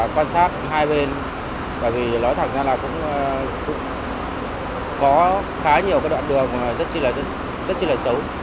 các hai bên bởi vì nói thẳng ra là cũng có khá nhiều cái đoạn đường rất là xấu